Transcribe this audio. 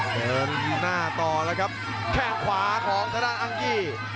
เห็นหน้าตอนแล้วครับแข้งขวาของด้านอังกฤษ